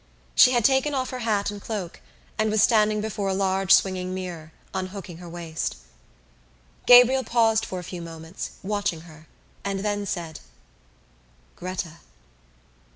She had taken off her hat and cloak and was standing before a large swinging mirror, unhooking her waist. Gabriel paused for a few moments, watching her, and then said: "Gretta!"